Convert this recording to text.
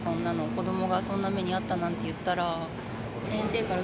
子どもがそんな目に遭ったなんていったら。